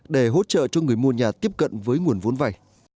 để hỗ trợ cho người mua nhà tiếp cận với nguồn vốn vay